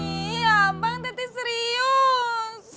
iya abang tadi serius